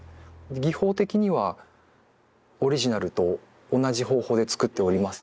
技法的にはオリジナルと同じ方法でつくっております。